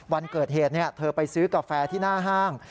วันเกิดเหตุเธอไปซื้อกาแฟที่หน้าห้าง